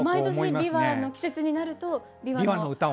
毎年びわの季節になるとびわの歌を？